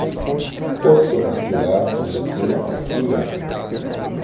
Posso estudar medicina aqui mesmo.